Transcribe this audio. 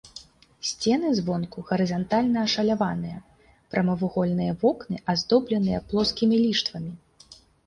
Сцены звонку гарызантальна ашаляваныя, прамавугольныя вокны аздобленыя плоскімі ліштвамі.